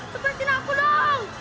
lepaskan aku dong